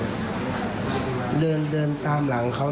แล้วสิ่งที่สามารถได้